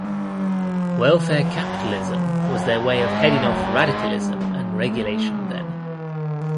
Welfare capitalism was their way of heading off radicalism and regulation then.